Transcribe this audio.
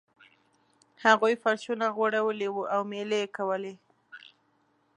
هغوی فرشونه غوړولي وو او میلې یې کولې.